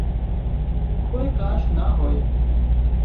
ڪوئي ڪاش نا هوئي